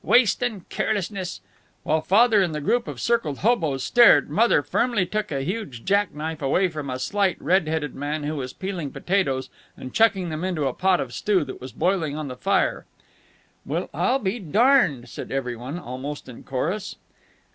Waste and carelessness " While Father and the group of circled hoboes stared, Mother firmly took a huge jack knife away from a slight, red headed man who was peeling potatoes and chucking them into a pot of stew that was boiling on the fire. "Well I'll be darned!" said every one, almost in chorus.